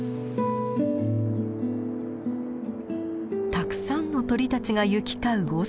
たくさんの鳥たちが行き交う雄島。